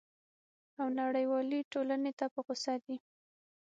او نړیوالي ټولني ته په غوصه دی!